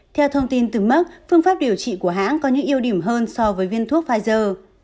theo thông tin từ mức phương pháp điều trị của hãng có những yếu điểm hơn so với viên thuốc pfizer